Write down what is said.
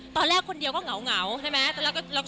ตอนแรกคนเดียวก็เหงาใช่ไหมแล้วก็ชวนพิษมาด้วย